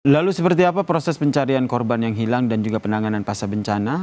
lalu seperti apa proses pencarian korban yang hilang dan juga penanganan pasca bencana